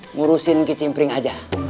ngurusin kecimpring aja